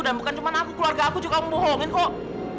dan bukan cuma aku keluarga aku juga membohongin kok